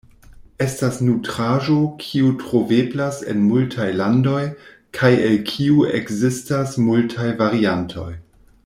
Estas nutraĵo kiu troveblas en multaj landoj, kaj el kiu ekzistas multaj variantoj.